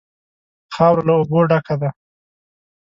خاوره له اوبو ډکه ده.